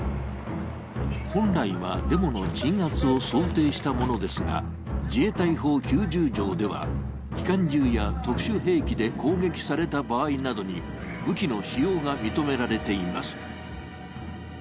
本来はデモの鎮圧を想定したものですが、自衛隊法９０条では、機関銃や特殊兵器で攻撃された場合などに武器の使用が認められています。